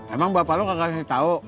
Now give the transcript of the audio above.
emang bapak lo gak kasih tau